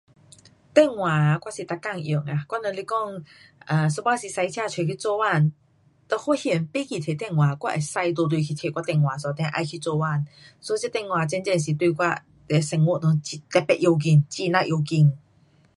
电话，我是天天用。我这样说有时驾车出去做工发现忘记带电话，我可以回去拿电话，然后再去做工，所以这电话真真对我生活特别很重要